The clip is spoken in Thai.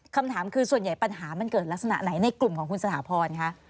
คำถามคือส่วนใหญ่ปัญหามันเกิดลักษณะไหนในกลุ่มของคุณสถาพรคะ